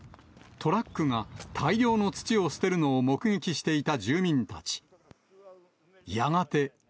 トラックが大量の土を捨てるのを目撃していた住民たち。